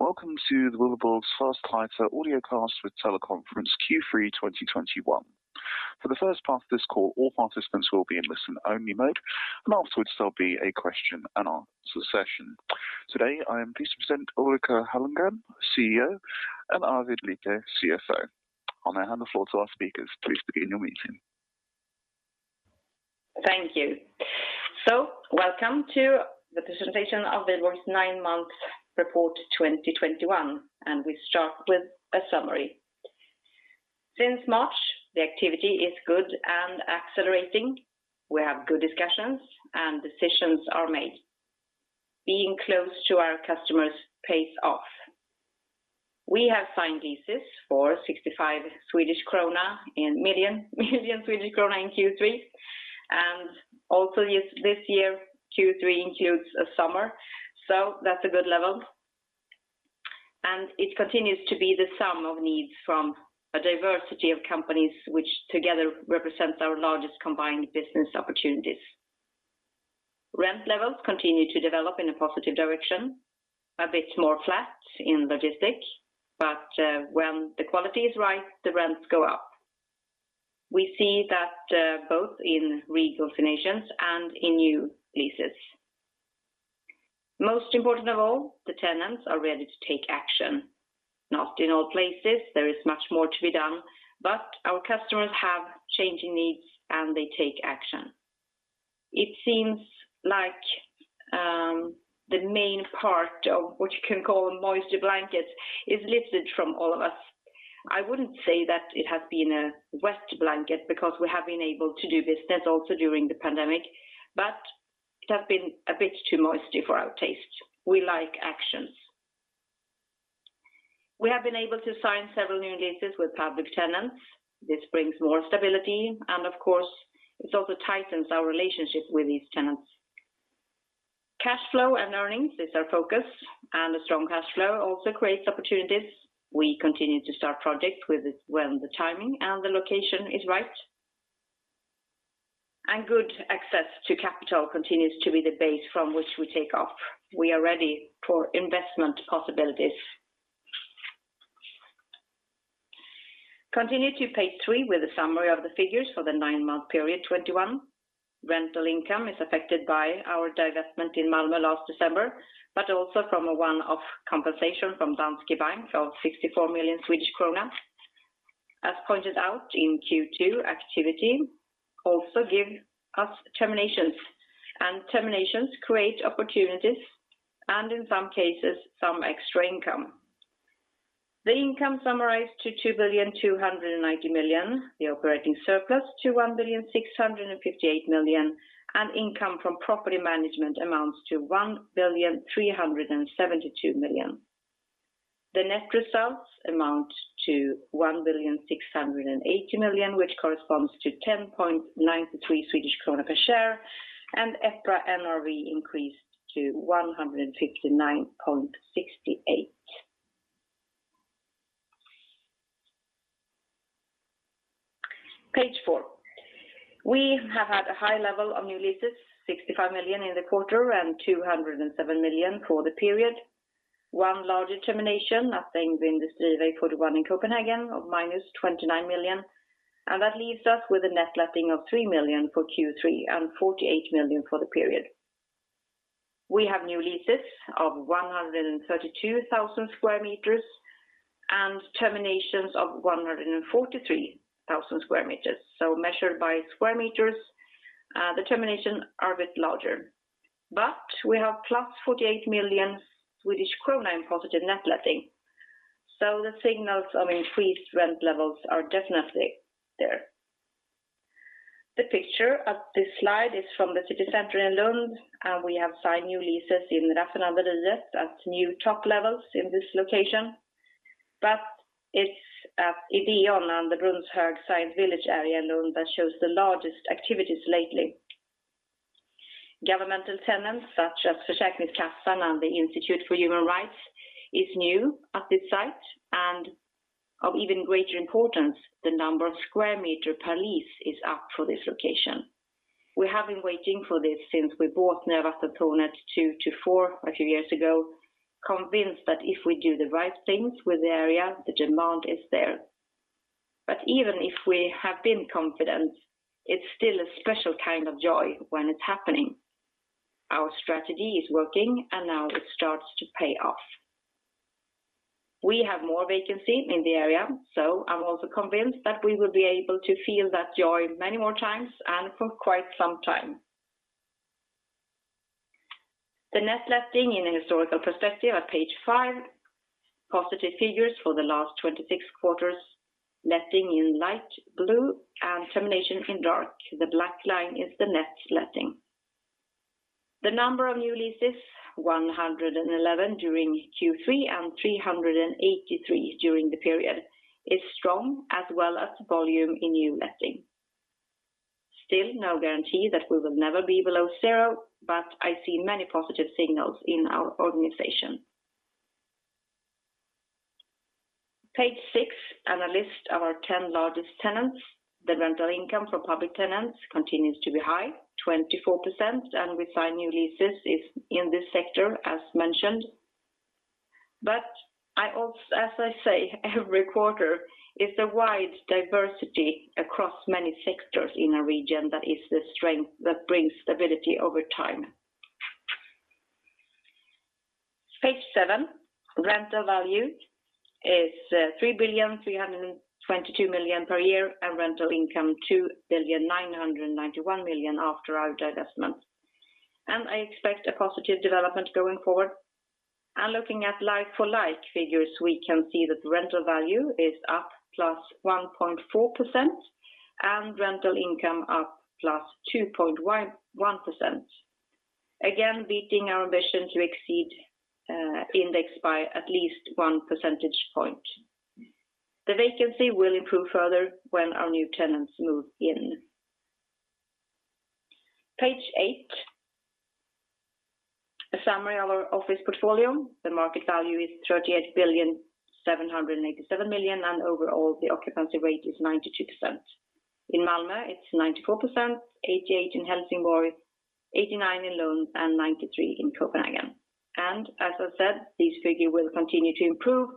Welcome to the Wihlborgs Fastigheter audiocast with teleconference Q3 2021. For the first part of this call, all participants will be in listen-only mode, and afterwards there'll be a question-and-answer session. Today, I am pleased to present Ulrika Hallengren, CEO, and Arvid Liepe, CFO. I'll now hand the floor to our speakers. Please begin your meeting. Thank you. Welcome to the presentation of Wihlborgs' nine-month report 2021. We start with a summary. Since March, the activity is good and accelerating. We have good discussions, and decisions are made. Being close to our customers pays off. We have signed leases for 65 million Swedish krona in Q3. Also this year, Q3 includes a summer, so that's a good level. It continues to be the sum of needs from a diversity of companies, which together represent our largest combined business opportunities. Rent levels continue to develop in a positive direction, a bit more flat in logistics, but when the quality is right, the rents go up. We see that both in reconfirmations and in new leases. Most important of all, the tenants are ready to take action. Not in all places. There is much more to be done, but our customers have changing needs, and they take action. It seems like the main part of what you can call a moisture blanket is lifted from all of us. I wouldn't say that it has been a wet blanket because we have been able to do business also during the pandemic, but it has been a bit too moisty for our taste. We like actions. We have been able to sign several new leases with public tenants. This brings more stability, and of course, it also tightens our relationship with these tenants. Cash flow and earnings is our focus, and a strong cash flow also creates opportunities. We continue to start project when the timing and the location is right. Good access to capital continues to be the base from which we take off. We are ready for investment possibilities. Continue to page three with a summary of the figures for the nine-month period 2021. Rental income is affected by our divestment in Malmö last December, but also from a one-off compensation from Danske Bank of 64 million Swedish krona. As pointed out in Q2, activity also give us terminations, and terminations create opportunities and, in some cases, some extra income. The income summarized to 2.29 billion, the operating surplus to 1.658 billion, and income from property management amounts to 1.372 billion. The net results amount to 1.68 billion, which corresponds to 10.93 Swedish krona per share, and EPRA NRV increased to 159.68. Page four, we have had a high level of new leases, 65 million in the quarter and 207 million for the period. One larger termination at Ejby Industrivej 41 in Copenhagen of -29 million. That leaves us with a net letting of 3 million for Q3 and 48 million for the period. We have new leases of 132,000 sq m and terminations of 143,000 sq m. Measured by square meters, the termination are a bit larger. We have +48 million Swedish krona in positive net letting. The signals of increased rent levels are definitely there. The picture of this slide is from the city center in Lund, and we have signed new leases in Raffinaderiet at new top levels in this location. It's at Ideon and the Science Village area in Lund that shows the largest activities lately. Governmental tenants such as Försäkringskassan and the Institute for Human Rights is new at this site, and of even greater importance, the number of square meter per lease is up for this location. We have been waiting for this since we bought Nya Vattentornet 2-4 a few years ago, convinced that if we do the right things with the area, the demand is there. Even if we have been confident, it's still a special kind of joy when it's happening. Our strategy is working, and now it starts to pay off. We have more vacancy in the area, so I'm also convinced that we will be able to feel that joy many more times and for quite some time. The net letting in a historical perspective at page five, positive figures for the last 26 quarters, letting in light blue and termination in dark. The black line is the net letting. The number of new leases, 111 during Q3 and 383 during the period, is strong, as well as volume in new letting. Still no guarantee that we will never be below zero, but I see many positive signals in our organization. Page six and a list of our 10 largest tenants. The rental income from public tenants continues to be high, 24%, and we sign new leases in this sector, as mentioned. As I say every quarter, it's a wide diversity across many sectors in a region that is the strength that brings stability over time. Page seven, rental value is 3,322,000,000 per year and rental income 2,991,000,000 after our divestment. I expect a positive development going forward. Looking at like-for-like figures, we can see that rental value is up +1.4% and rental income up +2.1%. Again, beating our ambition to exceed index by at least 1 percentage point. The vacancy will improve further when our new tenants move in. Page eight, a summary of our office portfolio. The market value is 38,787 million, and overall, the occupancy rate is 92%. In Malmö, it's 94%, 88% in Helsingborg, 89% in Lund, and 93% in Copenhagen. As I said, this figure will continue to improve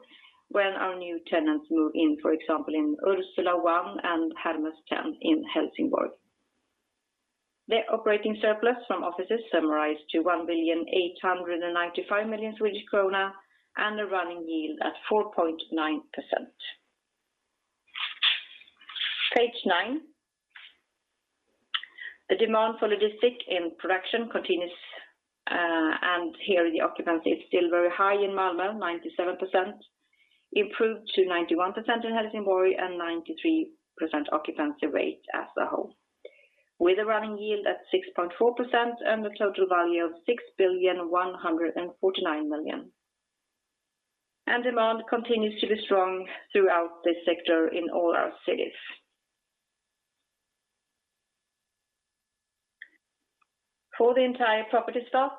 when our new tenants move in, for example, in Ursula 1 and Hermes 10 in Helsingborg. The operating surplus from offices summarized to 1,895 million Swedish krona and a running yield at 4.9%. Page nine, the demand for logistic and production continues, here the occupancy is still very high in Malmö, 97%, improved to 91% in Helsingborg and 93% occupancy rate as a whole. With a running yield at 6.4% and a total value of 6,149,000,000. Demand continues to be strong throughout this sector in all our cities. For the entire property stock,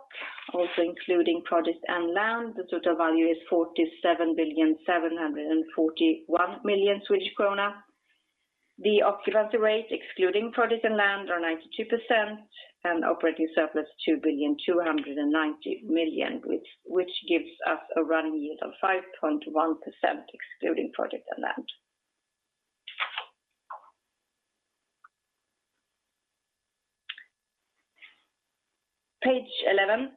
also including projects and land, the total value is 47,741,000,000 Swedish krona. The occupancy rate, excluding projects and land, are 92%, and operating surplus 2,290,000,000, which gives us a running yield of 5.1%, excluding projects and land. Page 11.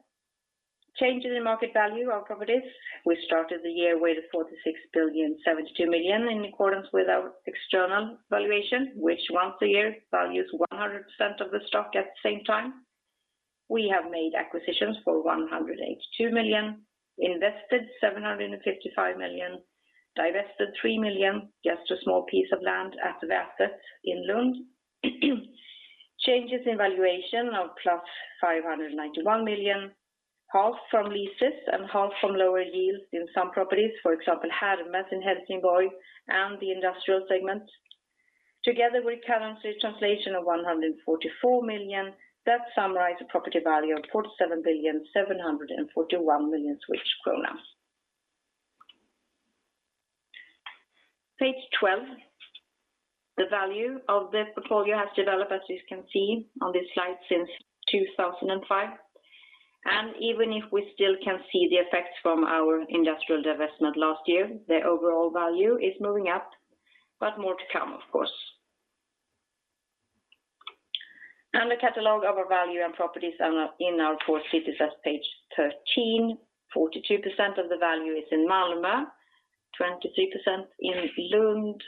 Changes in market value of properties. We started the year with 46,072 million in accordance with our external valuation, which once a year values 100% of the stock at the same time. We have made acquisitions for 182 million, invested 755 million, divested 3 million, just a small piece of land at Väster in Lund. Changes in valuation of +591 million, half from leases and half from lower yields in some properties, for example, Hermes in Helsingborg and the industrial segment. Together with currency translation of 144 million, that summarize a property value of 47,741,000,000. Page 12. The value of the portfolio has developed, as you can see on this slide since 2005. Even if we still can see the effects from our industrial divestment last year, the overall value is moving up, but more to come, of course. The catalog of our value and properties are in our four cities at page 13. 42% of the value is in Malmö, 23% in Lund,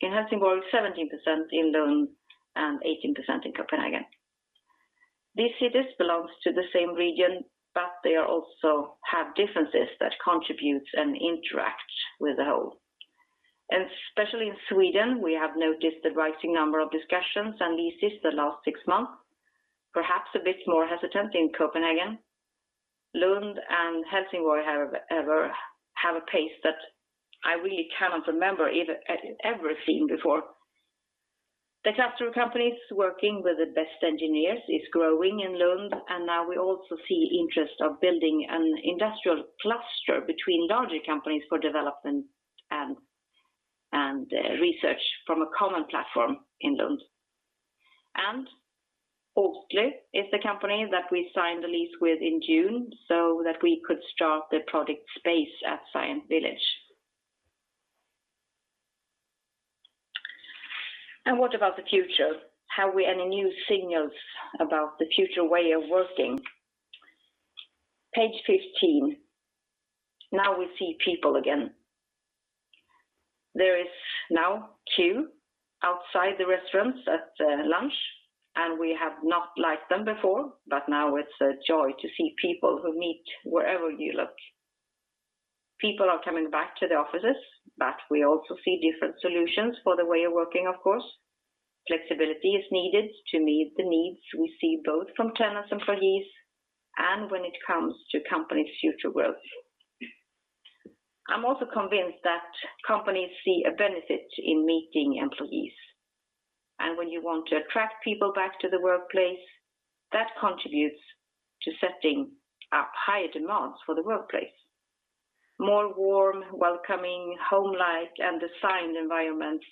in Helsingborg, 17% in Lund, and 18% in Copenhagen. These cities belongs to the same region, but they also have differences that contribute and interact with the whole. Especially in Sweden, we have noticed the rising number of discussions and leases the last six months. Perhaps a bit more hesitant in Copenhagen. Lund and Helsingborg have a pace that I really cannot remember ever seeing before. The cluster of companies working with the best engineers is growing in Lund, and now we also see interest of building an industrial cluster between larger companies for development and research from a common platform in Lund. Oatly is the company that we signed the lease with in June so that we could start the project space at Science Village. What about the future? Have we any new signals about the future way of working? Page 15. Now we see people again. There is now queue outside the restaurants at lunch, and we have not liked them before, but now it's a joy to see people who meet wherever you look. People are coming back to the offices, we also see different solutions for the way of working, of course. Flexibility is needed to meet the needs we see both from tenants and employees when it comes to companies' future growth. I'm also convinced that companies see a benefit in meeting employees. When you want to attract people back to the workplace, that contributes to setting up higher demands for the workplace. More warm, welcoming, home-like, and designed environments,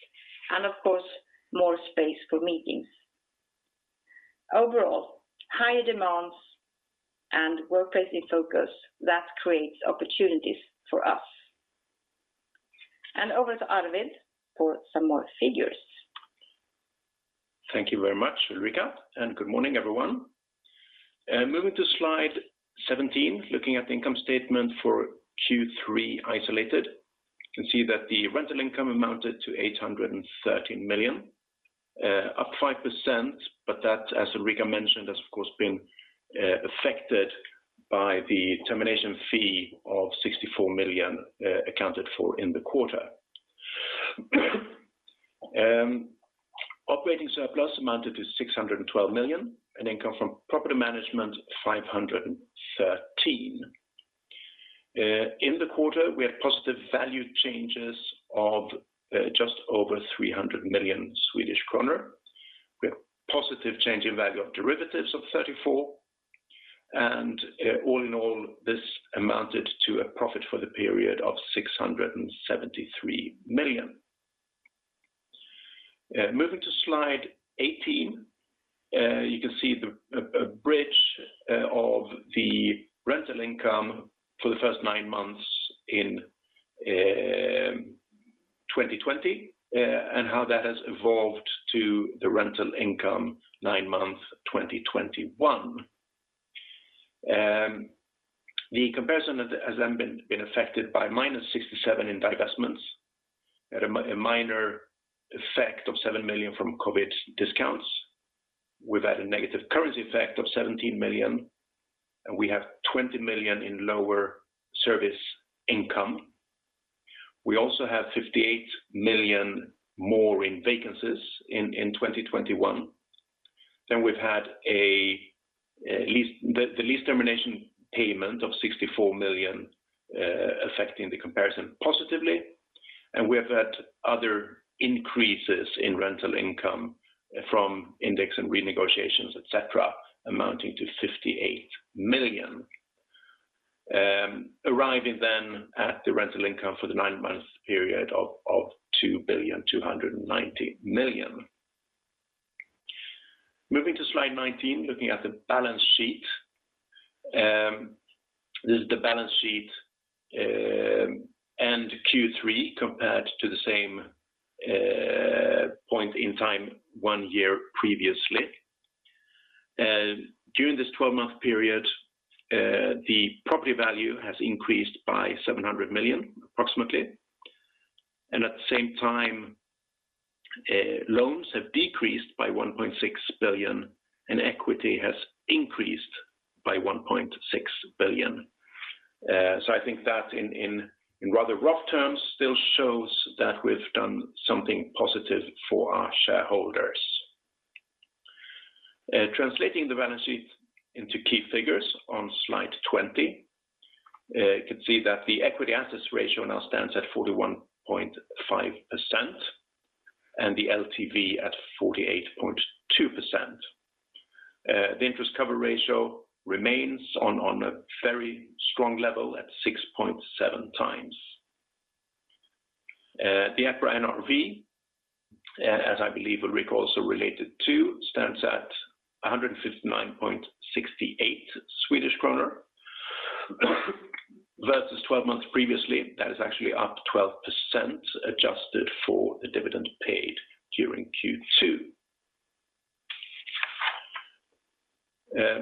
of course, more space for meetings. Overall, higher demands, workplace in focus, that creates opportunities for us. Over to Arvid for some more figures. Thank you very much, Ulrika, and good morning, everyone. Moving to slide 17, looking at the income statement for Q3 isolated. You can see that the rental income amounted to 813 million, up 5%, but that, as Ulrika mentioned, has of course been affected by the termination fee of 64 million accounted for in the quarter. Operating surplus amounted to 612 million and income from property management, 513 million. In the quarter, we had positive value changes of just over 300 million Swedish kronor, with positive change in value of derivatives of 34 million, and all in all, this amounted to a profit for the period of 673 million. Moving to slide 18, you can see a bridge of the rental income for the first nine months in 2020, and how that has evolved to the rental income nine-month 2021. The comparison has been affected by -67 million in divestments at a minor effect of 7 million from COVID discounts. We've had a negative currency effect of 17 million, and we have 20 million in lower service income. We also have 58 million more in vacancies in 2021. We've had the lease termination payment of 64 million affecting the comparison positively, and we've had other increases in rental income from index and renegotiations, etc, amounting to 58 million. Arriving then at the rental income for the nine-month period of 2,290 million. Moving to slide 19, looking at the balance sheet. This is the balance sheet end Q3 compared to the same point in time one year previously. During this 12-month period, the property value has increased by 700 million, approximately, and at the same time, loans have decreased by 1.6 billion, and equity has increased by 1.6 billion. I think that in rather rough terms still shows that we've done something positive for our shareholders. Translating the balance sheet into key figures on slide 20. You can see that the equity to assets ratio now stands at 41.5% and the LTV at 48.2%. The interest coverage ratio remains on a very strong level at 6.7x. The EPRA NRV, as I believe Ulrika also related to, stands at 159.68 Swedish kronor versus 12 months previously. That is actually up 12% adjusted for the dividend paid during Q2.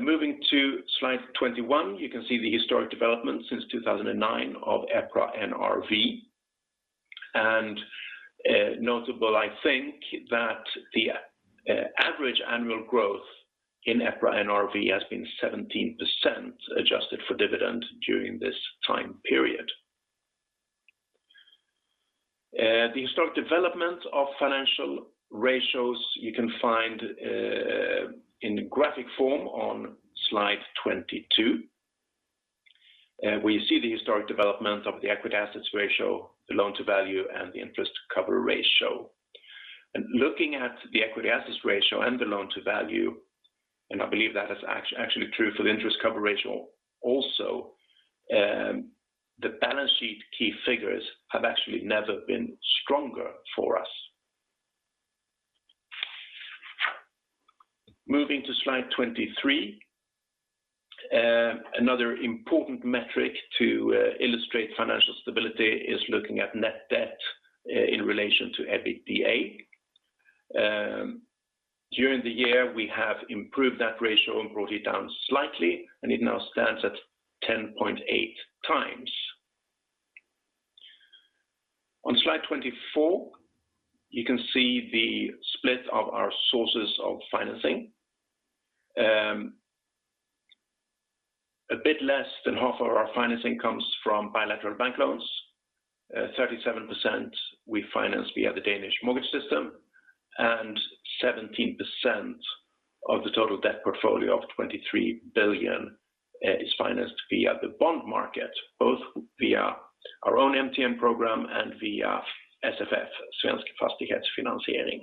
Moving to slide 21, you can see the historic development since 2009 of EPRA NRV. Notable, I think that the average annual growth in EPRA NRV has been 17% adjusted for dividend during this time period. The historic development of financial ratios you can find in graphic form on slide 22, where you see the historic development of the equity to assets ratio, the loan-to-value, and the interest coverage ratio. Looking at the equity to assets ratio and the loan-to-value, I believe that is actually true for the interest coverage ratio also, the balance sheet key figures have actually never been stronger for us. Moving to slide 23. Another important metric to illustrate financial stability is looking at net debt in relation to EBITDA. During the year, we have improved that ratio and brought it down slightly, and it now stands at 10.8x. On slide 24, you can see the split of our sources of financing. A bit less than half of our financing comes from bilateral bank loans. 37% we finance via the Danish mortgage system, 17% of the total debt portfolio of 23 billion is financed via the bond market, both via our own MTN program and via SFF, Svensk Fastighetsfinansiering.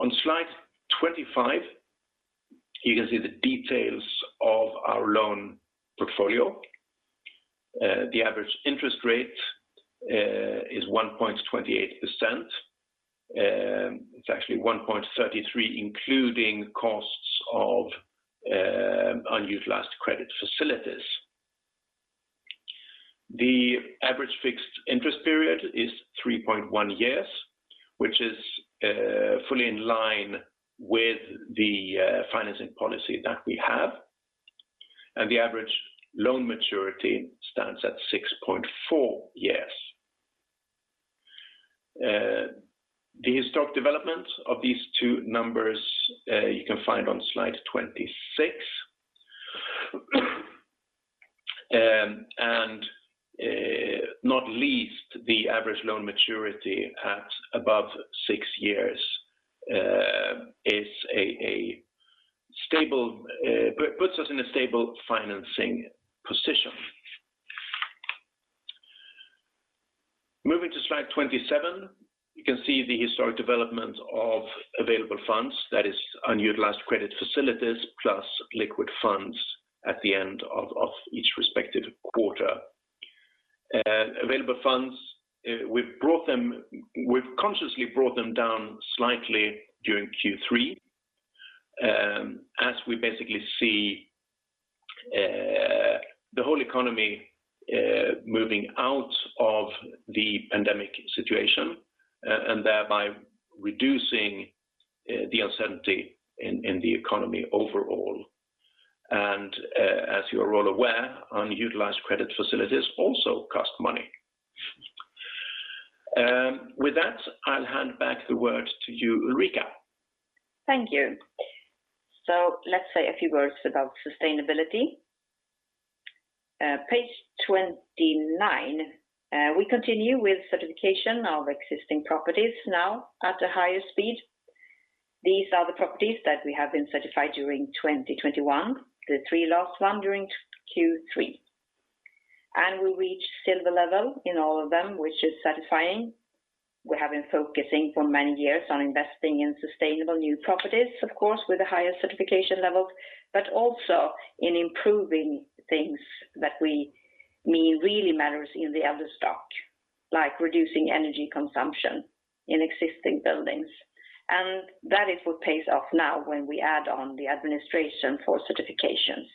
On slide 25, you can see the details of our loan portfolio. The average interest rate is 1.28%. It's actually 1.33% including costs of unutilized credit facilities. The average fixed interest period is 3.1 years, which is fully in line with the financing policy that we have, and the average loan maturity stands at 6.4 years. The stock development of these two numbers, you can find on slide 26. Not least the average loan maturity at above six years puts us in a stable financing position. Moving to slide 27, you can see the historic development of available funds that is unutilized credit facilities plus liquid funds at the end of each respective quarter. Available funds, we've consciously brought them down slightly during Q3 as we basically see the whole economy moving out of the pandemic situation and thereby reducing the uncertainty in the economy overall. As you are all aware, unutilized credit facilities also cost money. With that, I'll hand back the word to you, Ulrika. Thank you. Let's say a few words about sustainability. Page 29. We continue with certification of existing properties now at a higher speed. These are the properties that we have been certified during 2021, the three last one during Q3. We reached silver level in all of them, which is satisfying. We have been focusing for many years on investing in sustainable new properties, of course, with the highest certification levels, but also in improving things that we mean really matters in the other stock, like reducing energy consumption in existing buildings. That is what pays off now when we add on the administration for certifications.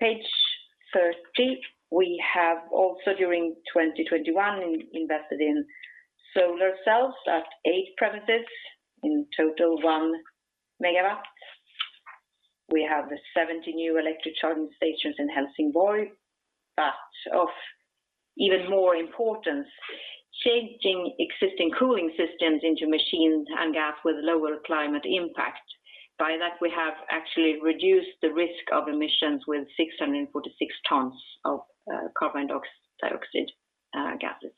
Page 30, we have also during 2021 invested in solar cells at eight premises, in total 1 MW. We have the 70 new electric charging stations in Helsingborg, but of even more importance, changing existing cooling systems into machines and gas with lower climate impact. By that, we have actually reduced the risk of emissions with 646 tons of carbon dioxide gases.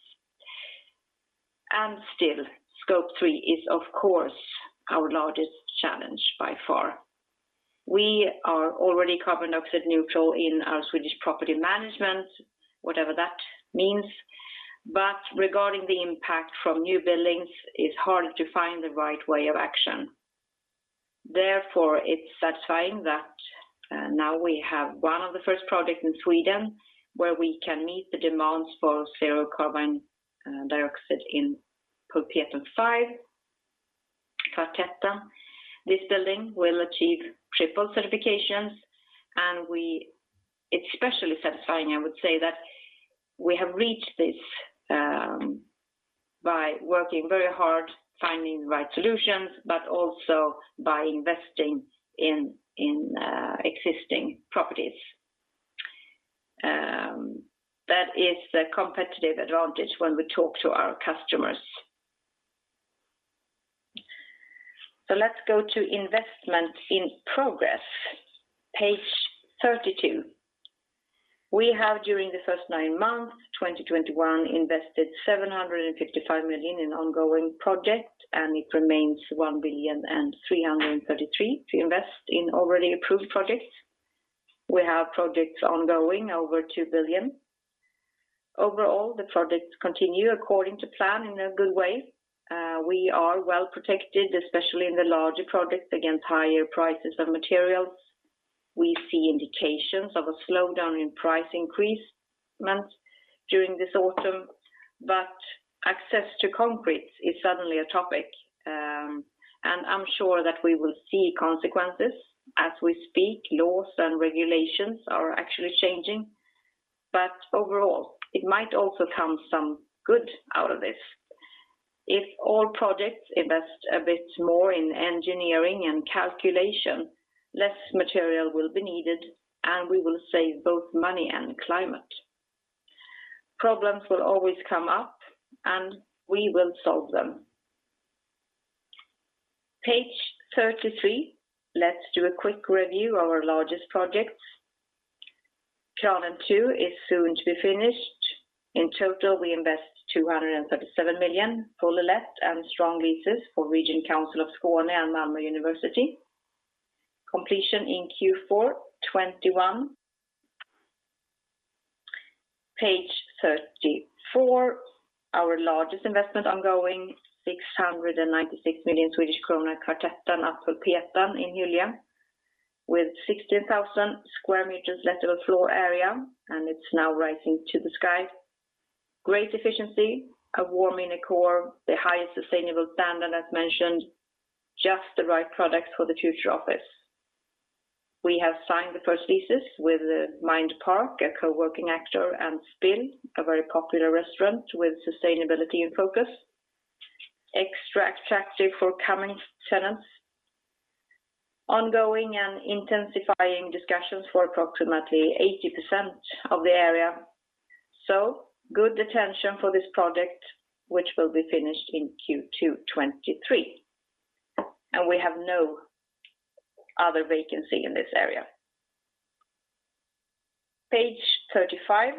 Still, Scope 3 is of course our largest challenge by far. We are already carbon dioxide neutral in our Swedish property management, whatever that means. Regarding the impact from new buildings, it's hard to find the right way of action. Therefore, it's satisfying that now we have one of the first projects in Sweden where we can meet the demands for zero carbon dioxide in Pulpeten 5, Kvartetten. This building will achieve triple certifications and it's especially satisfying, I would say, that we have reached this by working very hard finding the right solutions, but also by investing in existing properties. That is a competitive advantage when we talk to our customers. Let's go to investment in progress. Page 32. We have during the first nine months, 2021 invested 755 million in ongoing projects, and it remains 1,333,000,000 to invest in already approved projects. We have projects ongoing over 2 billion. Overall, the projects continue according to plan in a good way. We are well-protected, especially in the larger projects against higher prices of materials. We see indications of a slowdown in price increase months during this autumn, but access to concrete is suddenly a topic, and I'm sure that we will see consequences as we speak. Laws and regulations are actually changing. Overall, it might also come some good out of this. If all projects invest a bit more in engineering and calculation, less material will be needed and we will save both money and climate. Problems will always come up, and we will solve them. Page 33. Let's do a quick review of our largest projects. Kåren 2 is soon to be finished. In total, we invest 237 million, full let, and strong leases for Region Skåne and Malmö University. Completion in Q4 2021. Page 34. Our largest investment ongoing, 696 million Swedish krona, Kvartetten and Pulpeten in Hyllie, with 16,000 sq m lettable floor area, and it's now rising to the sky. Great efficiency, a warm inner core, the highest sustainable standard as mentioned, just the right product for the future office. We have signed the first leases with Mindpark, a co-working actor, and Spill, a very popular restaurant with sustainability in focus. Extra attractive for coming tenants. Ongoing intensifying discussions for approximately 80% of the area. Good attention for this project, which will be finished in Q2 2023. We have no other vacancy in this area. Page 35.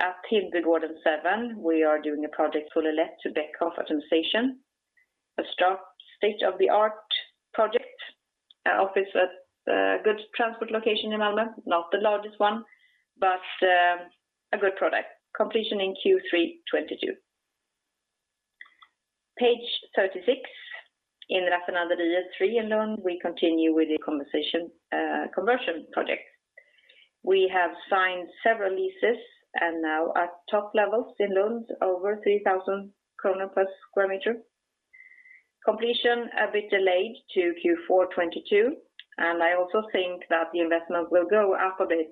At Hindbygården 7, we are doing a project full let to Beckhoff Automation. A state-of-the-art project. A office at a good transport location in Malmö, not the largest one, but a good product. Completion in Q3 2022. Page 36. In Raffinaderiet 3 in Lund, we continue with the conversion project. We have signed several leases and now at top levels in Lund, over 3,000 kronor per square meter. Completion a bit delayed to Q4 2022, and I also think that the investment will go up a bit,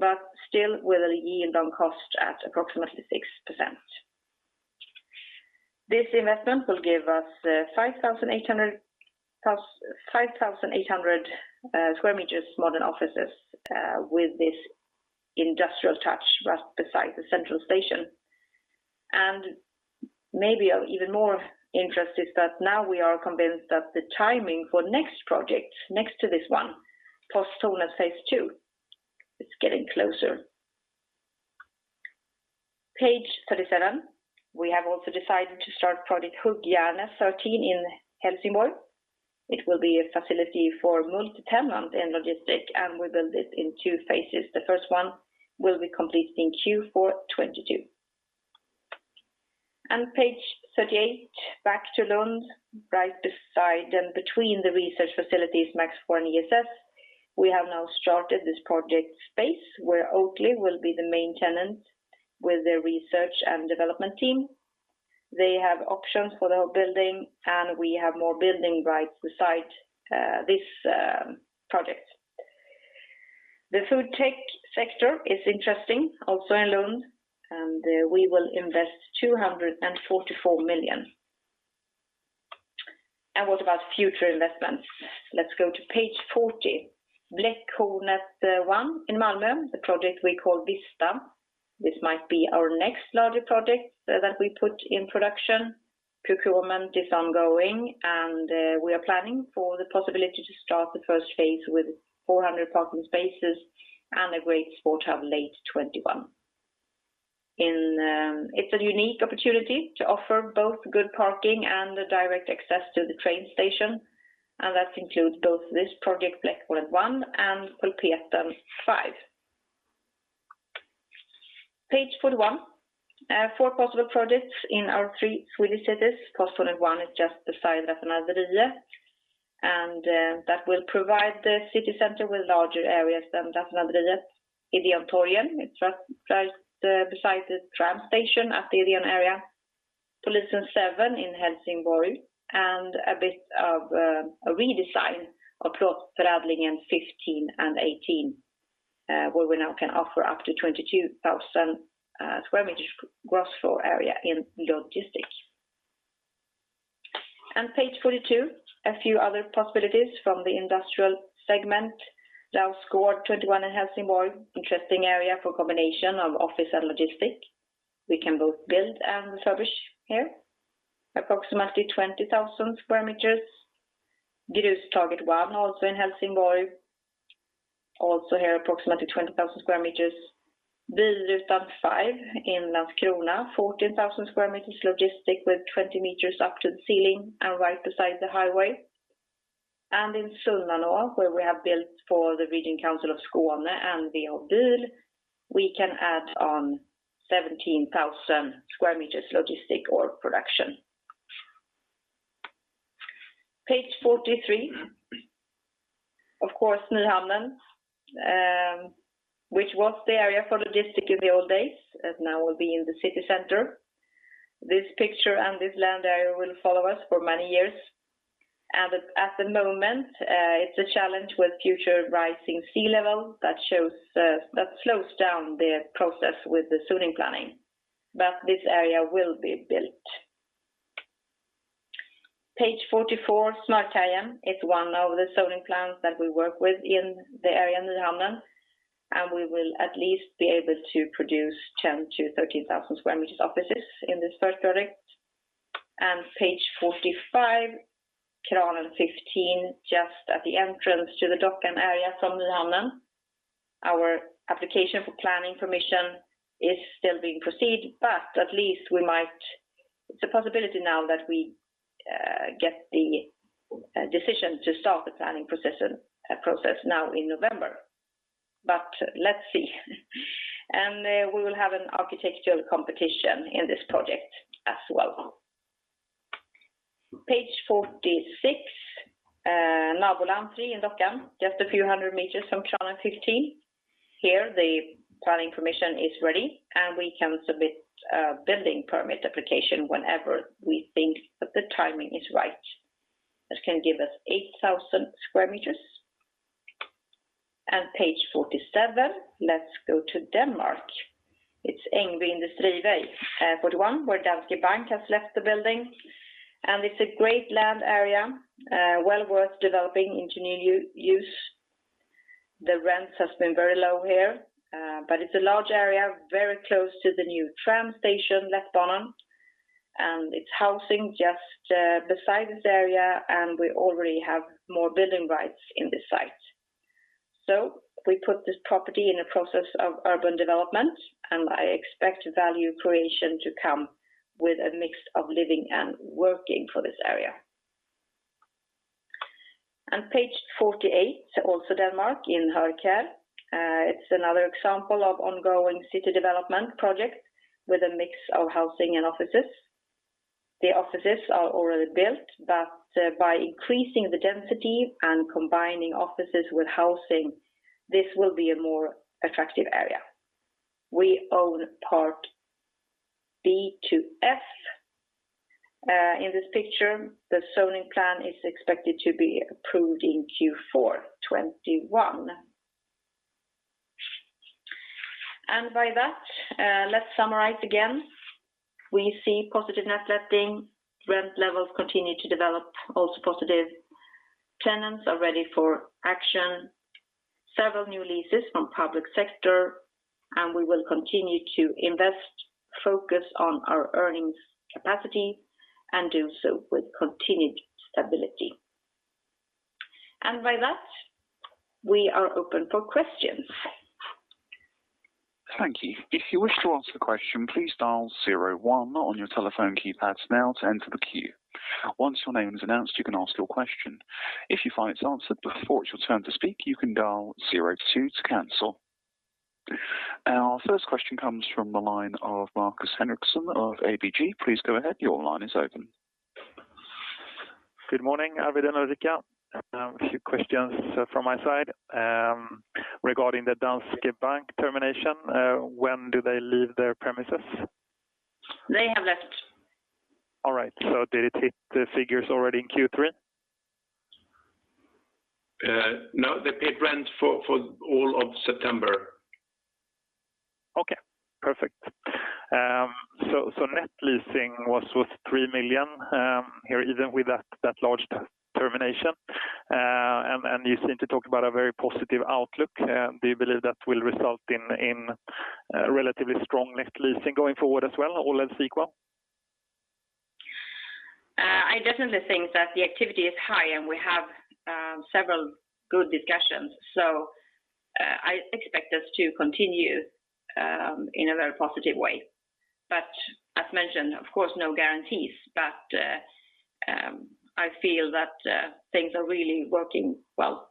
but still with a yield on cost at approximately 6%. This investment will give us 5,800 sq m modern offices with this industrial touch right beside the central station. Maybe of even more interest is that now we are convinced that the timing for next project next to this one, Poststaden phase II, is getting closer. Page 37. We have also decided to start project Huggjärnet 13 in Helsingborg. It will be a facility for multi-tenant and logistic, and we build it in two phases. The first one will be completed in Q4 2022. Page 38, back to Lund, right beside and between the research facilities MAX IV and ESS. We have now started this project space where Oatly will be the main tenant with their research and development team. They have options for the whole building, and we have more building right beside this project. The FoodTech sector is interesting also in Lund, and we will invest 244 million. What about future investments? Let's go to page 40. Bläckhornet 1 in Malmö, the project we call Vista. This might be our next larger project that we put in production. Procurement is ongoing, and we are planning for the possibility to start the first phase with 400 parking spaces and a great sport hub late 2021. It's a unique opportunity to offer both good parking and a direct access to the train station, and that includes both this project, Bläckhornet 1, and Pulpeten 5. Page 41. Four possible projects in our three Swedish cities. Poststaden 1 is just beside Raffinaderiet, and that will provide the city center with larger areas than Raffinaderiet. Ideontorget, it's right beside the tram station at the Ideon area. Polisen 7 in Helsingborg, and a bit of a redesign of Plåtförädlingen 15 and 18, where we now can offer up to 22,000 sq m gross floor area in logistics. Page 42, a few other possibilities from the industrial segment. Rausgård 21 in Helsingborg, interesting area for combination of office and logistic. We can both build and refurbish here. Approximately 20,000 sq m. Grustaget 1, also in Helsingborg. Also here, approximately 20,000 sq m. Bilrutan 5 in Landskrona, 14,000 sq m logistic with 20 m up to the ceiling and right beside the highway. In Sunnanå, where we have built for the Region Skåne and V&B, we can add on 17,000 sq m logistic or production. Page 43, of course, Nyhamnen, which was the area for logistic in the old days, as now will be in the city center. This picture and this land area will follow us for many years. At the moment, it's a challenge with future rising sea level that slows down the process with the zoning planning. This area will be built. Page 44, Smartkajen is one of the zoning plans that we work with in the area Nyhamnen. We will at least be able to produce 10,000 sq m-13,000 sq m offices in this first project. Page 45, Kranen 15, just at the entrance to the Dockan area from Nyhamnen. Our application for planning permission is still being proceeded, but at least it's a possibility now that we get the decision to start the planning process now in November. Let's see. We will have an architectural competition in this project as well. Page 46, Naboland 3 in Dockan, just a few hundred m from Kranen 15. Here, the planning permission is ready, and we can submit a building permit application whenever we think that the timing is right. That can give us 8,000 sq m. Page 47, let's go to Denmark. Elby Industrivej 41, where Danske Bank has left the building. It's a great land area, well worth developing into new use. The rents have been very low here, but it's a large area, very close to the new tram station, Letbanen, and it's housing just beside this area, and we already have more building rights in this site. We put this property in a process of urban development, and I expect value creation to come with a mix of living and working for this area. Page 48, also Denmark in Hørkær. Another example of ongoing city development projects with a mix of housing and offices. The offices are already built, by increasing the density and combining offices with housing, this will be a more attractive area. We own part B to F in this picture. The zoning plan is expected to be approved in Q4 2021. By that, let's summarize again. We see positive net letting. Rent levels continue to develop also positive. Tenants are ready for action. Several new leases from public sector, and we will continue to invest, focus on our earnings capacity, and do so with continued stability. By that, we are open for questions. Thank you. If you wish to ask a question, please dial zero one on your telephone keypad now to enter the queue. Once your name is announced you can ask your question. If your question has been answered before your time to speak you can dial zero two to cancel. Once again, that is star one to ask a question. Our first question comes from the line of Markus Henriksson of ABG. Please go ahead. Your line is open. Good morning, Arvid and Ulrika. A few questions from my side regarding the Danske Bank termination. When do they leave their premises? They have left. All right. Did it hit the figures already in Q3? No, they paid rent for all of September. Okay, perfect. Net leasing was with 3 million here, even with that large termination. You seem to talk about a very positive outlook. Do you believe that will result in relatively strong net leasing going forward as well, or less equal? I definitely think that the activity is high, and we have several good discussions. I expect us to continue in a very positive way. As mentioned, of course, no guarantees. I feel that things are really working well.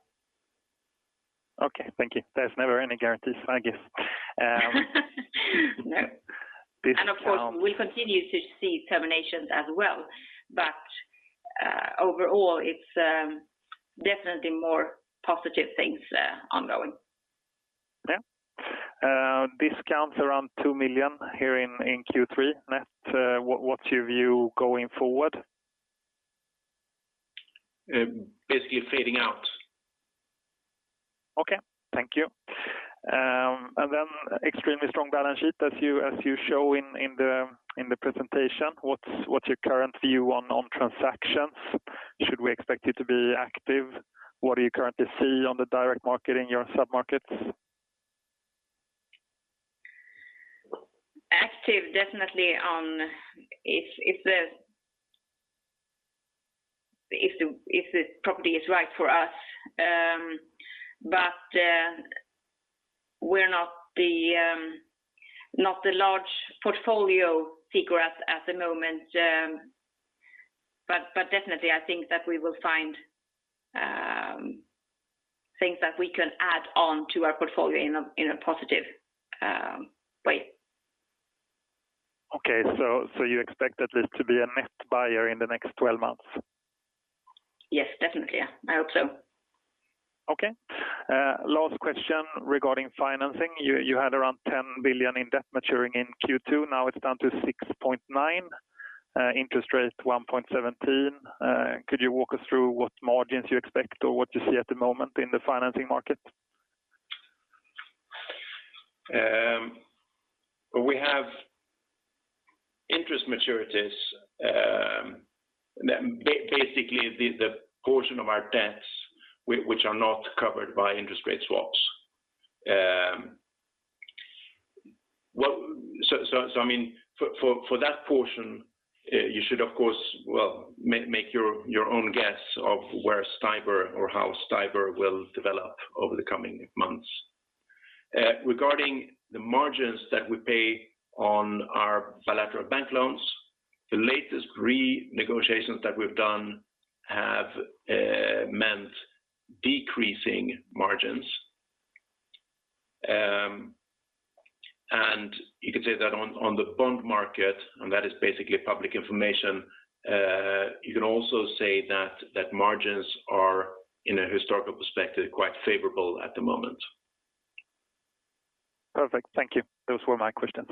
Okay, thank you. There's never any guarantees, I guess. No. This- Of course, we'll continue to see terminations as well. Overall, it's definitely more positive things ongoing. Yeah. Discounts around 2 million here in Q3 net. What's your view going forward? Basically fading out. Okay, thank you. Extremely strong balance sheet as you show in the presentation. What's your current view on transactions? Should we expect you to be active? What do you currently see on the direct market in your sub-markets? Active definitely if the property is right for us. We're not the large portfolio seekers at the moment. Definitely, I think that we will find things that we can add on to our portfolio in a positive way. You expect at least to be a net buyer in the next 12 months? Yes, definitely. I hope so. Okay. Last question regarding financing. You had around 10 billion in debt maturing in Q2. Now it's down to 6.9 billion, interest rate 1.17%. Could you walk us through what margins you expect or what you see at the moment in the financing market? We have interest maturities, basically the portion of our debts which are not covered by interest rate swaps. For that portion, you should of course make your own guess of where STIBOR or how STIBOR will develop over the coming months. Regarding the margins that we pay on our bilateral bank loans, the latest renegotiations that we've done have meant decreasing margins. You could say that on the bond market, and that is basically public information, you can also say that margins are, in a historical perspective, quite favorable at the moment. Perfect. Thank you. Those were my questions.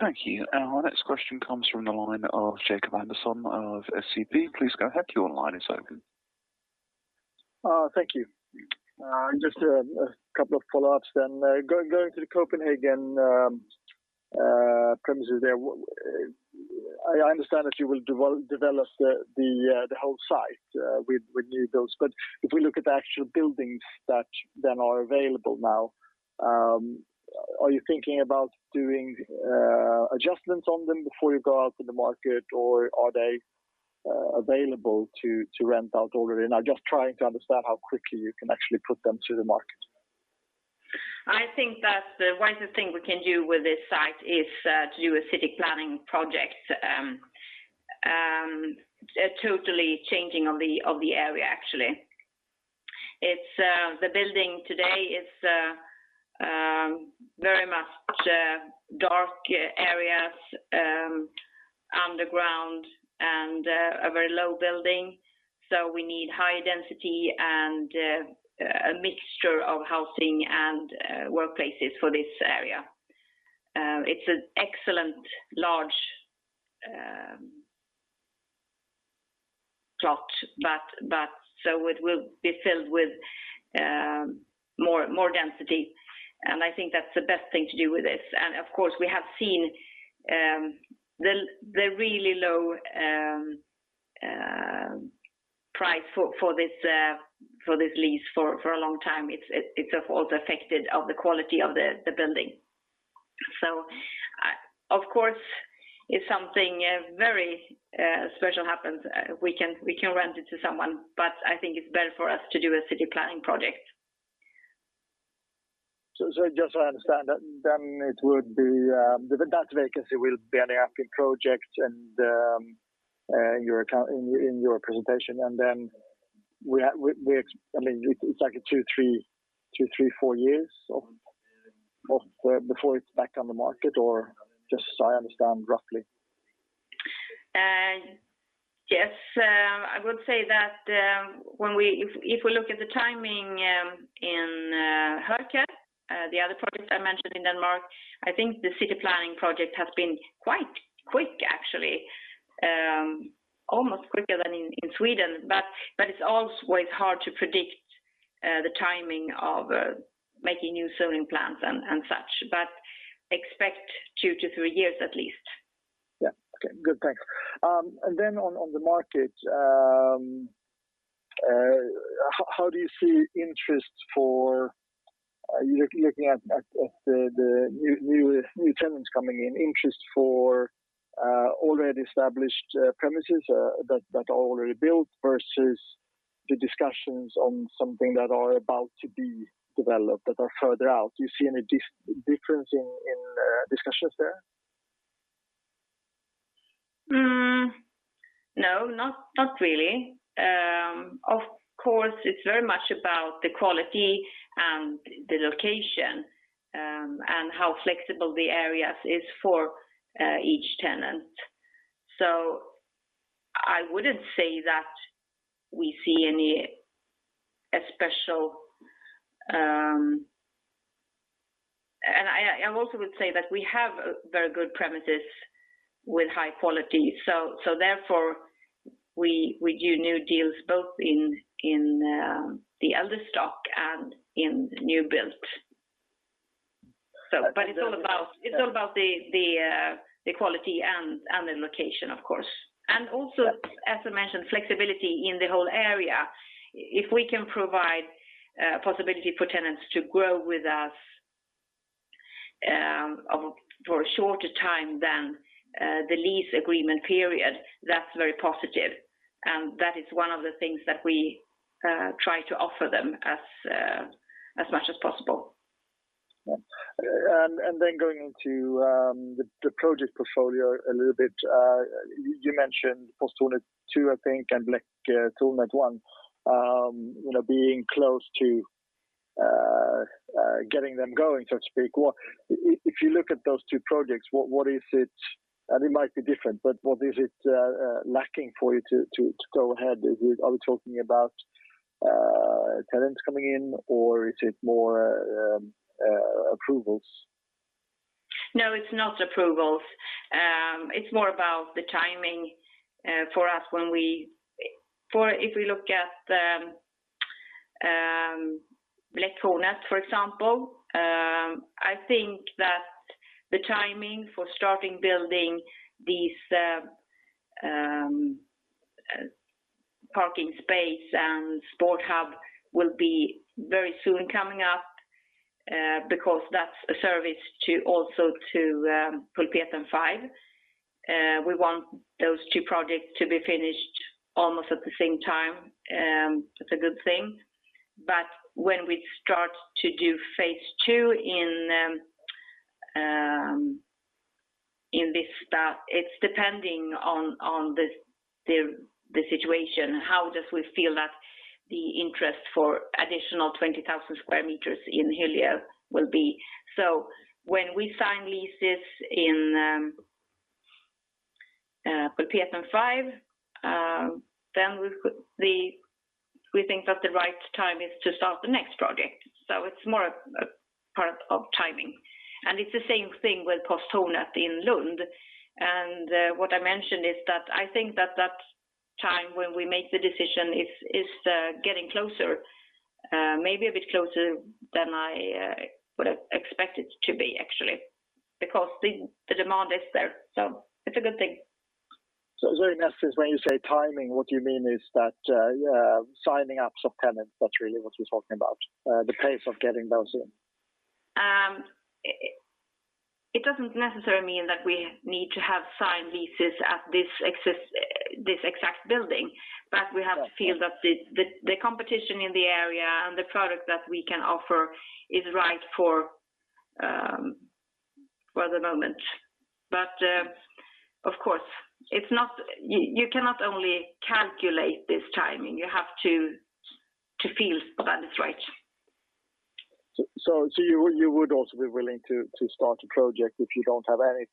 Thank you. Our next question comes from the line of Jacob Andersson of SEB. Please go ahead. Your line is open. Thank you. Just a couple of follow-ups then. Going to the Copenhagen premises there, I understand that you will develop the whole site with new builds, but if we look at the actual buildings that then are available now, are you thinking about doing adjustments on them before you go out to the market or are they available to rent out already? I'm just trying to understand how quickly you can actually put them to the market. I think that the wisest thing we can do with this site is to do a city planning project, totally changing of the area actually. The building today is very much dark areas, underground, and a very low building. We need high density and a mixture of housing and workplaces for this area. It's an excellent large plot, it will be filled with more density, and I think that's the best thing to do with this. Of course, we have seen the really low price for this lease for a long time. It's, of course, affected of the quality of the building. Of course, if something very special happens, we can rent it to someone, but I think it's better for us to do a city planning project. Just so I understand, then that vacancy will be an active project in your presentation, and then it's like two, three, four years before it's back on the market, or just so I understand roughly? Yes. I would say that if we look at the timing in Hørkær, the other project I mentioned in Denmark, I think the city planning project has been quite quick actually. Almost quicker than in Sweden. It's always hard to predict the timing of making new zoning plans and such, but expect two to three years at least. Yeah. Okay. Good. Thanks. Then on the market, how do you see interest for, looking at the new tenants coming in, interest for already established premises that are already built versus the discussions on something that are about to be developed that are further out? Do you see any difference in discussions there? No, not really. Of course, it's very much about the quality and the location, and how flexible the areas is for each tenant. I wouldn't say that we see any. I also would say that we have very good premises with high quality. Therefore we do new deals both in the elder stock and in new build. It's all about the quality and the location of course. Also, as I mentioned, flexibility in the whole area. If we can provide possibility for tenants to grow with us for a shorter time than the lease agreement period, that's very positive, and that is one of the things that we try to offer them as much as possible. Yeah. Then going into the project portfolio a little bit. You mentioned Posthuset 2, I think, and Bläckhornet 1 being close to getting them going, so to speak. If you look at those two projects, and it might be different, but what is it lacking for you to go ahead? Are we talking about tenants coming in or is it more approvals? It's not approvals. It's more about the timing for us. If we look at Bläckhornet, for example. I think that the timing for starting building these parking space and sport hub will be very soon coming up because that's a service also to Pulpeten 5. We want those two projects to be finished almost at the same time. It's a good thing. When we start to do phase II in this, it's depending on the situation, how we feel that the interest for additional 20,000 sq m in Hyllie will be. When we sign leases in Pulpeten 5, we think that the right time is to start the next project. It's more a part of timing. It's the same thing with Posthornet in Lund. What I mentioned is that I think that time when we make the decision is getting closer, maybe a bit closer than I would have expected to be actually, because the demand is there. It's a good thing. Is there any sense when you say timing, what you mean is that signing ups of tenants, that's really what you're talking about, the pace of getting those in? It doesn't necessarily mean that we need to have signed leases at this exact building. Right. Feel that the competition in the area and the product that we can offer is right for the moment. Of course, you cannot only calculate this timing. You have to feel when it's right. You would also be willing to start a project if you don't have any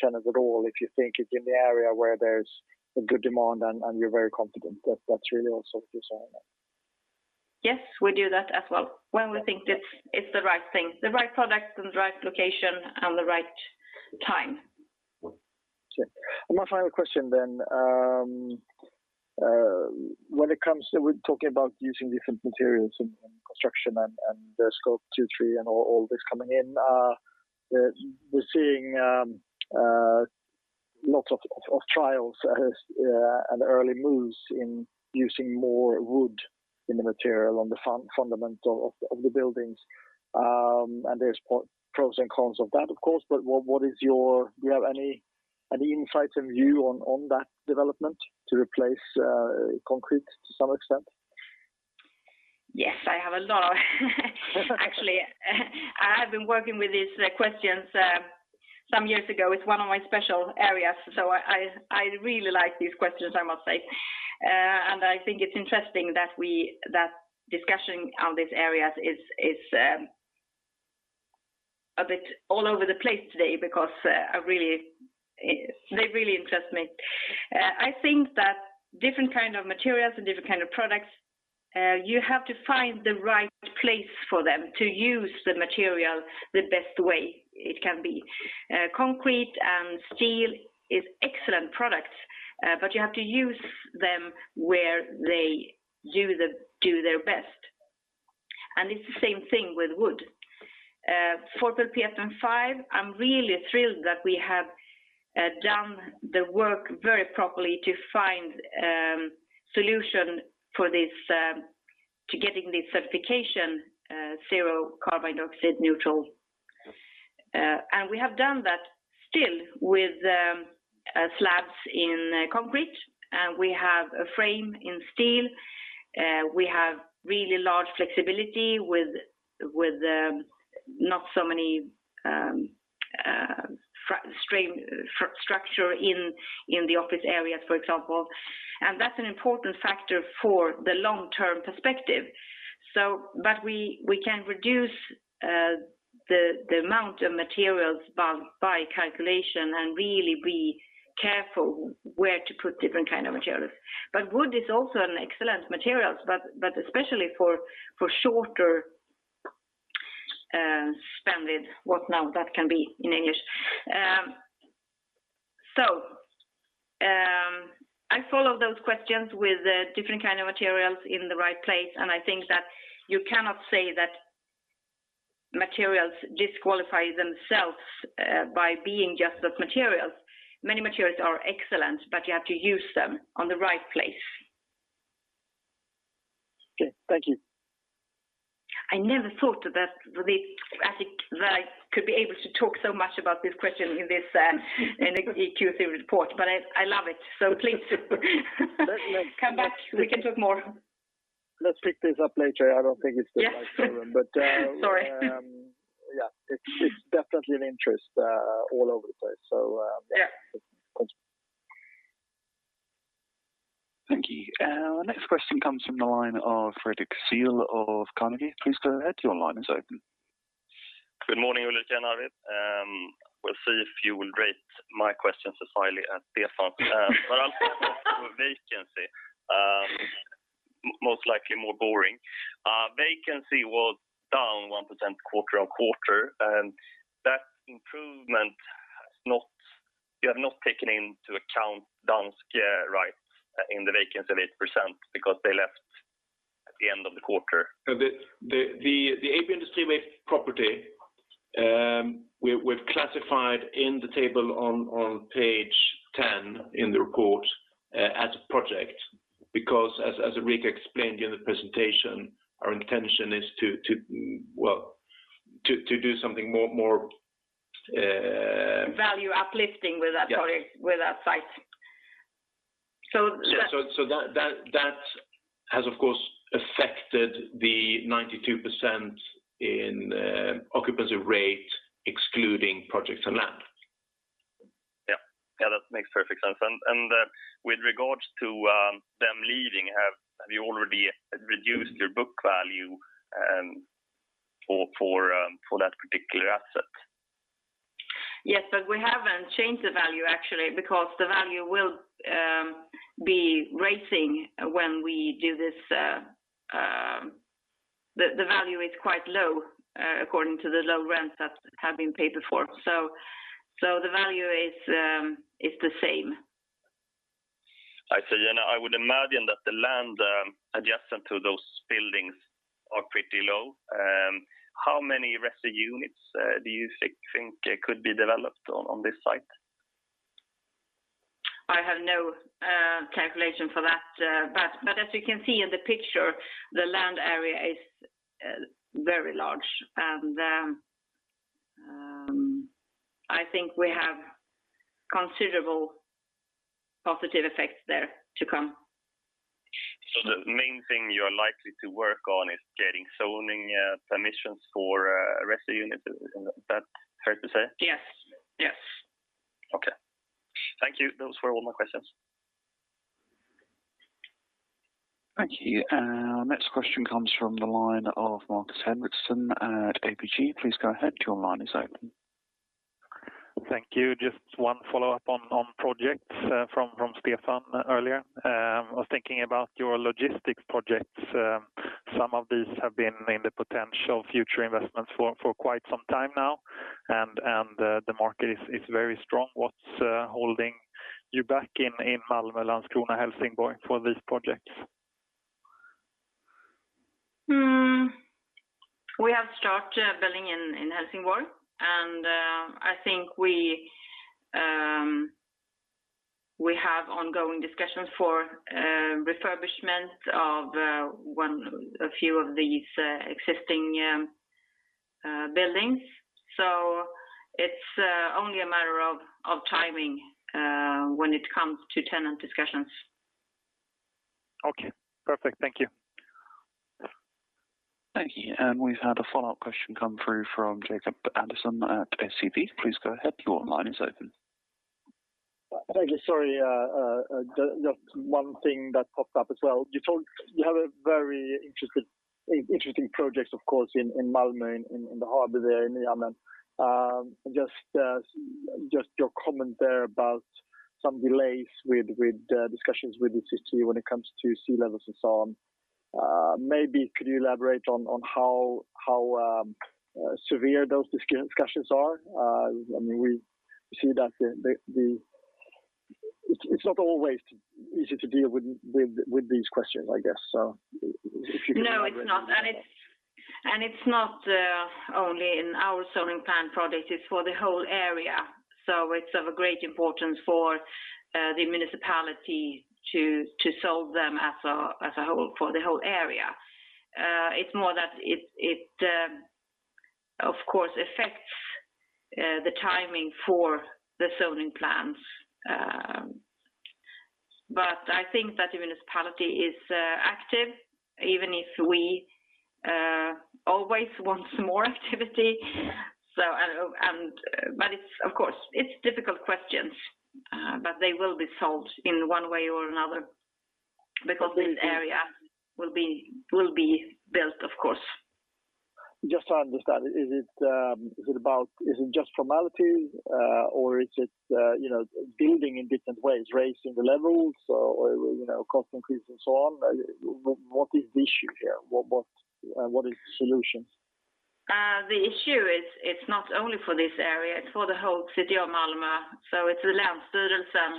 tenants at all, if you think it's in the area where there's a good demand and you're very confident that that's really also feasible? Yes, we do that as well. When we think it's the right thing, the right product and the right location and the right time. Sure. One final question. We're talking about using different materials in construction and the Scope 2, 3 and all this coming in, we're seeing lots of trials and early moves in using more wood in the material on the fundamental of the buildings. There's pros and cons of that, of course, but do you have any insight or view on that development to replace concrete to some extent? Yes, I have a lot actually. I have been working with these questions some years ago. It's one of my special areas. I really like these questions, I must say. I think it's interesting that discussion on these areas is a bit all over the place today because they really interest me. I think that different kind of materials and different kind of products, you have to find the right place for them to use the material the best way. It can be concrete and steel is excellent products. You have to use them where they do their best. It's the same thing with wood. For Pulpeten 5, I'm really thrilled that we have done the work very properly to find solution to getting this certification zero carbon dioxide neutral. We have done that still with slabs in concrete. We have a frame in steel. We have really large flexibility with not so many structure in the office areas, for example. That's an important factor for the long-term perspective. We can reduce the amount of materials by calculation and really be careful where to put different kind of materials. Wood is also an excellent material, but especially for shorter spännvidd, what now that can be in English. I follow those questions with different kind of materials in the right place, and I think that you cannot say that materials disqualify themselves by being just as materials. Many materials are excellent, but you have to use them on the right place. Okay. Thank you. I never thought that I could be able to talk so much about this question in this Q3 report, but I love it. Please come back, we can talk more. Let's pick this up later. I don't think it's the right forum, but. Sorry. Yeah, it's definitely an interest all over the place. Yeah. Thank you. Thank you. Our next question comes from the line of Fredric Cyon of Carnegie. Please go ahead. Your line is open. Good morning, Ulrika and Arvid. We'll see if you will rate my question as highly as Stefan. I'll stick to vacancy. Most likely more boring. Vacancy was down 1% quarter-on-quarter, and that improvement, you have not taken into account Danske, right, in the vacancy rate % because they left at the end of the quarter? The Ejby Industrivej property, we've classified in the table on page 10 in the report as a project because as Ulrika explained in the presentation, our intention is to do something more. Value uplifting with that- Yeah. ...project, with that site. That has, of course, affected the 92% in occupancy rate excluding projects and land. That makes perfect sense. With regards to them leaving, have you already reduced your book value for that particular asset? Yes, we haven't changed the value actually because the value will be raising when we do this. The value is quite low according to the low rents that have been paid before. The value is the same. I see. I would imagine that the land adjacent to those buildings are pretty low. How many Resta units do you think could be developed on this site? I have no calculation for that. As you can see in the picture, the land area is very large. I think we have considerable positive effects there to come. The main thing you are likely to work on is getting zoning permissions for Resta units. Is that fair to say? Yes. Okay. Thank you. Those were all my questions. Thank you. Next question comes from the line of Markus Henriksson at ABG. Please go ahead. Your line is open. Thank you. Just one follow-up on projects from Stefan earlier. I was thinking about your logistics projects. Some of these have been in the potential future investments for quite some time now, and the market is very strong, what's holding you back in Malmö, Landskrona, Helsingborg for these projects? We have started building in Helsingborg, and I think we have ongoing discussions for refurbishment of a few of these existing buildings. It's only a matter of timing when it comes to tenant discussions. Okay, perfect. Thank you. Thank you. We've had a follow-up question come through from Jacob Andersson at SEB. Please go ahead. Your line is open. Thank you. Sorry, just one thing that popped up as well. You have a very interesting project, of course, in Malmö, in the harbor there, in the island. Just your comment there about some delays with discussions with the city when it comes to sea levels and so on. Maybe could you elaborate on how severe those discussions are? It's not always easy to deal with these questions, I guess, so if you could elaborate. No, it's not. It's not only in our zoning plan project, it's for the whole area. It's of a great importance for the municipality to solve them as a whole for the whole area. It's more that it of course affects the timing for the zoning plans. I think that the municipality is active, even if we always want some more activity. Of course, it's difficult questions, but they will be solved in one way or another because this area will be built, of course. Just to understand, is it just formalities or is it building in different ways, raising the levels or cost increase and so on? What is the issue here? What is the solution? The issue is it's not only for this area, it's for the whole City of Malmö. It's the Länsstyrelsen.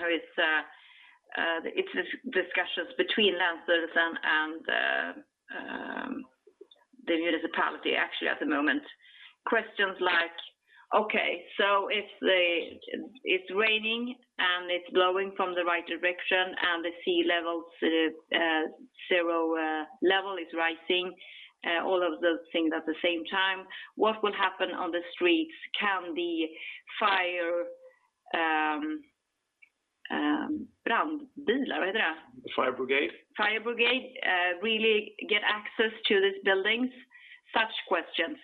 It's discussions between Länsstyrelsen and the municipality actually at the moment. Questions like, okay, so if it's raining and it's blowing from the right direction and the sea level zero level is rising, all of those things at the same time, what will happen on the streets? Can the fire-- Fire brigade. Fire brigade really get access to these buildings? Such questions.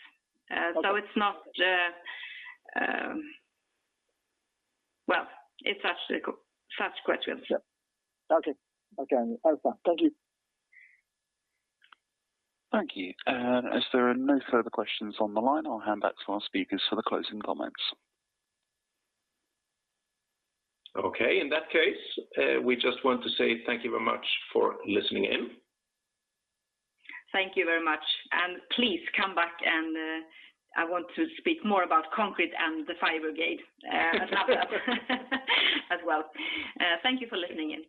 Such questions. Okay. Thank you. Thank you. As there are no further questions on the line, I'll hand back to our speakers for the closing comments. Okay, in that case, we just want to say thank you very much for listening in. Thank you very much. Please come back, and I want to speak more about concrete and the fire brigade as well. Thank you for listening in.